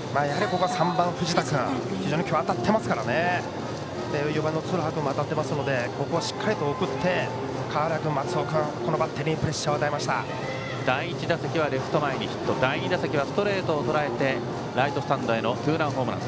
今日は非常に当たっていますし４番の鶴羽君も当たっているのでここはしっかり送って川原君、松尾君のバッテリーに第１打席はレフト前にヒット第２打席はストレートをとらえてライトスタンドへのツーランホームラン。